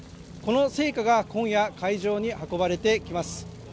この聖火が今夜会場に運ばれてきます